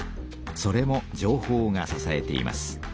それも情報がささえています。